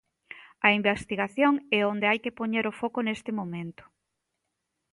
A investigación é onde hai que poñer o foco neste momento.